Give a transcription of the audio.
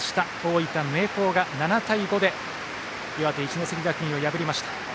大分・明豊が７対５で岩手・一関学院を破りました。